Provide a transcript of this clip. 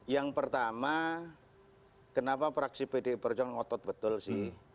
yang pertama kenapa praksi pdi perjuangan ngotot betul sih